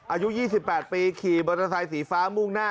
อายุ๒๘ปีขี่บริษัทสีฟ้ามุ่งหน้า